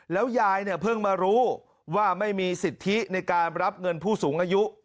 แล้วยายเนี่ยเพิ่งมารู้ว่าไม่มีสิทธิในการรับเงินผู้สูงอายุ